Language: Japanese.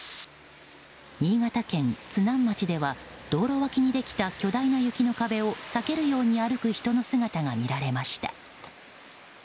新潟県津南町では道路脇にできた巨大な雪の壁を避けるように歩く人の姿が見られました。